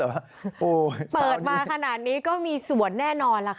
เปิดมาขนาดนี้ก็มีสวนแน่นอนล่ะค่ะ